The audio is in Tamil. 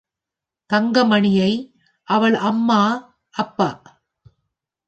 தங்கமணியை, அவள் அம்மா, அப்பா.